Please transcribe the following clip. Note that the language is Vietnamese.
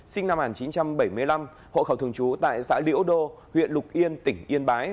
sinh năm một nghìn chín trăm bảy mươi năm hộ khẩu thường trú tại xã liễu đô huyện lục yên tỉnh yên bái